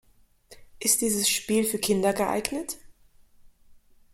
Ist dieses Spiel für Kinder geeignet?